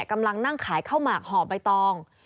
กำลังนั่งขายข้าวหมากห่อใบตอง